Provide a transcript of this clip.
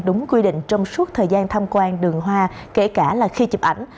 đúng quy định trong suốt thời gian tham quan đường hoa kể cả là khi chụp ảnh